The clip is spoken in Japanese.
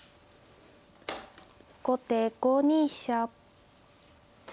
後手５二飛車。